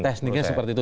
tekniknya seperti itu